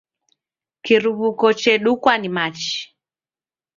Kiruw'uko chedukwa ni machi.